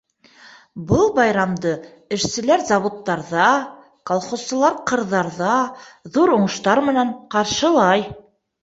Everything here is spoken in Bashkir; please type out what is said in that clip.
Был байрамды эшселәр заводтарҙа, колхозсылар ҡырҙарҙа ҙур уңыштар менән ҡаршылай.